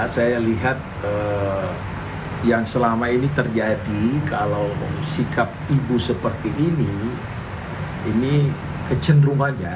saya lihat yang selama ini terjadi kalau sikap ibu seperti ini ini kecenderungannya